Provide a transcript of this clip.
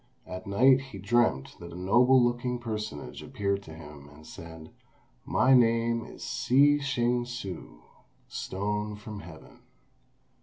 At night he dreamt that a noble looking personage appeared to him, and said, "My name is Shih Ch'ing hsü (Stone from Heaven).